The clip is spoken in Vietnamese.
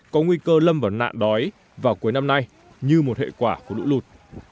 có nguy cơ lâm vào nạn đói vào cuối năm nay như một hệ quả của lũ lụt